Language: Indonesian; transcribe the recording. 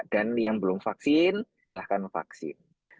dan yang belum vaksin silahkan vaksin